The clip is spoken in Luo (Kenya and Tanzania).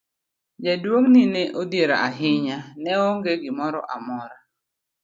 Jaduong' ni nodhier ahinya, ne oonge gimoro amora.